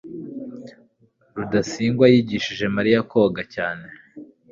rudasingwa yigishije mariya koga cyane